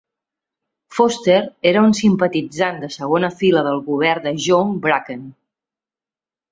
Foster era un simpatitzant de segona fila del govern de John Bracken.